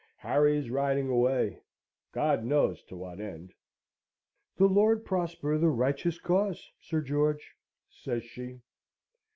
Harry is riding away. God knows to what end." "The Lord prosper the righteous cause, Sir George," says she.